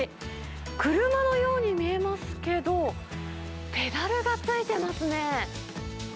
車のように見えますけど、ペダルがついてますね。